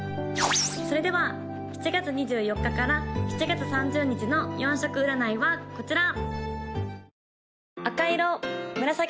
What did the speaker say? ・それでは７月２４日から７月３０日の４色占いはこちら！